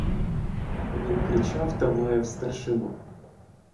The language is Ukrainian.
Він кричав та лаяв старшину.